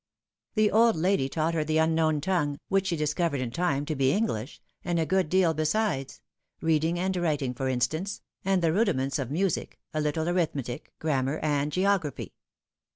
The old lady taught her the unknown tongue, which she discovered in time to be English, and a good deal besides read ing and writing, for instance, and the rudiments of music, a little arithmetic, grammar, and geography.